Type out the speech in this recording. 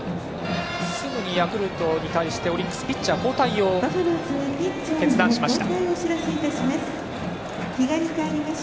すぐにヤクルトに対してオリックス、ピッチャー交代を決断しました。